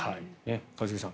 一茂さん